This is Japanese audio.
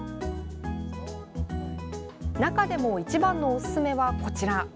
中でも一番のおすすめはこちら。